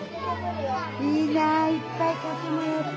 いいないっぱい買ってもらって。